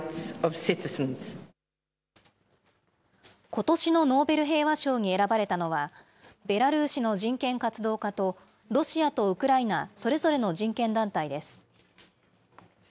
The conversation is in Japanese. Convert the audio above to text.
ことしのノーベル平和賞に選ばれたのは、ベラルーシの人権活動家と、ロシアとウクライナ、それぞれの人権団体です。